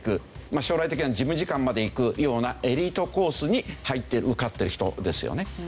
将来的には事務次官までいくようなエリートコースに入って受かってる人ですよね。